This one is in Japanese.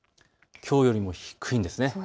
きょうよりも低いんです。